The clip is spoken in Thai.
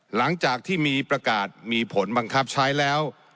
หลังจากที่มีประกาศมีผลบังคับใช้แล้ว